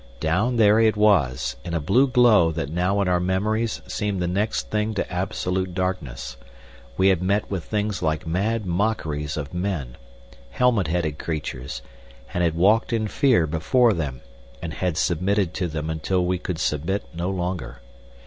Down there it was, in a blue glow that now in our memories seemed the next thing to absolute darkness, we had met with things like mad mockeries of men, helmet headed creatures, and had walked in fear before them, and had submitted to them until we could submit no longer.